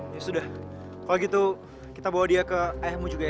ya sudah kalau gitu kita bawa dia ke ayahmu juga ya